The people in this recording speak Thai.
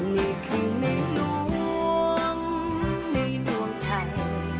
นี่คือในหลวงในดวงฉัน